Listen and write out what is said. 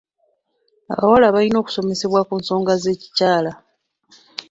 Abawala balina okusomesebwa ku nsonga z'ekikyala.